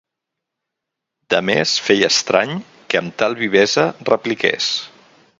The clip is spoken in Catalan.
Demés feia estrany que amb tal vivesa repliqués.